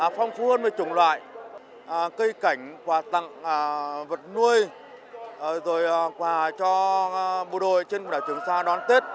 phong phú hơn với chủng loại cây cảnh quà tặng vật nuôi rồi quà cho bộ đội trên đảo trường sa đón tết